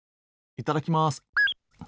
いただきます。